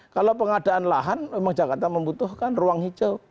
kalau pengadaan lahan memang jakarta membutuhkan ruang hijau